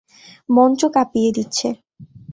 মঞ্চ কাঁপিয়ে দিচ্ছে।